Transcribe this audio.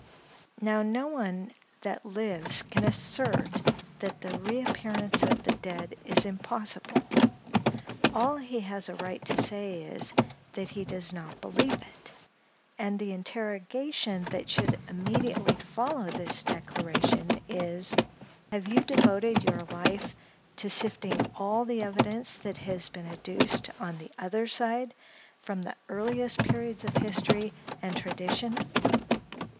Now, no one that lives can assert that the reappearance of the dead is impossible; all he has a right to say is, that he does not believe it; and the interrogation that should immediately follow this declaration is, "Have you devoted your life to sifting all the evidence that has been adduced on the other side, from the earliest periods of history and tradition?"